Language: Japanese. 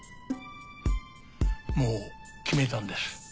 もう決めたんです。